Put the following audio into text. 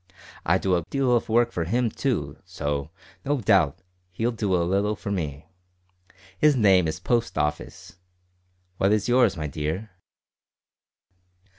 I do a deal of work for him too, so, no doubt, he'll do a little for me. His name is Post Office. What is your's, my dear?"